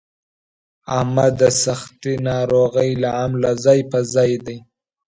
احمد د سختې ناروغۍ له امله ځای په ځای دی.